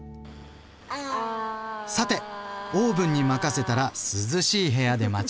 さてオーブンに任せたら涼しい部屋で待ちましょう。